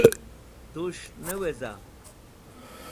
Tus̃h ne weza?